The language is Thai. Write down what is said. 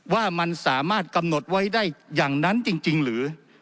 ว่ามันสามารถกำหนดไว้ได้อย่างนั้นจริงหรือ